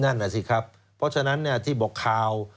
นั่นน่ะสิครับเพราะฉะนั้นที่บอกข่าว